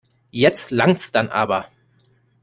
Jetzt langts dann aber.